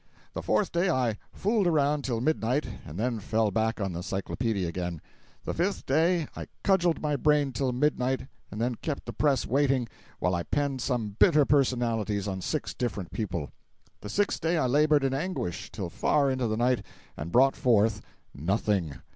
The fourth day I "fooled around" till midnight, and then fell back on the Cyclopedia again. The fifth day I cudgeled my brain till midnight, and then kept the press waiting while I penned some bitter personalities on six different people. The sixth day I labored in anguish till far into the night and brought forth—nothing.